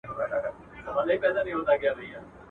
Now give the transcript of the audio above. په هره لوېشت کي یې وتلي سپین او خړ تارونه.